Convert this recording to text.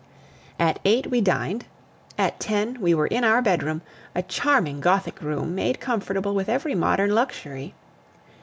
At eight we dined; at ten we were in our bedroom, a charming Gothic room, made comfortable with every modern luxury.